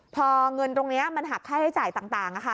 พอเงินตรงนี้มันหักค่าใช้จ่ายต่างนะคะ